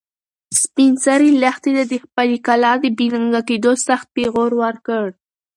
سپین سرې لښتې ته د خپلې کلا د بې ننګه کېدو سخت پېغور ورکړ.